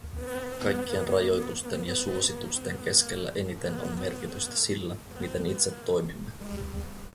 Kaikkien rajoitusten ja suositusten keskellä eniten on merkitystä sillä, miten itse toimimme.